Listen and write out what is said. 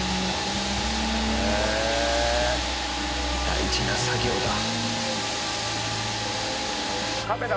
大事な作業だ。